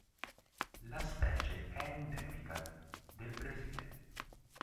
La specie è endemica del Brasile.